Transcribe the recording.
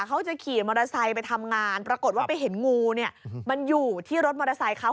เขาจะขี่มอเตอร์ไซค์ไปทำงานปรากฏว่าไปเห็นงูเนี่ยมันอยู่ที่รถมอเตอร์ไซค์เขา